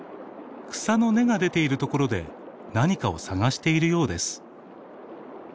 草の根が出ている所で何かを探しているようです。